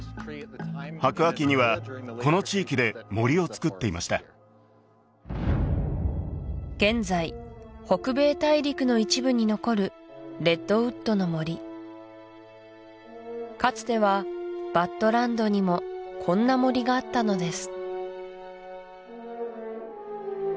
白亜紀にはこの地域で森をつくっていました現在北米大陸の一部に残るレッドウッドの森かつてはバッドランドにもこんな森があったのです